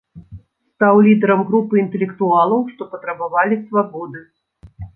Стаў лідарам групы інтэлектуалаў, што патрабавалі свабоды.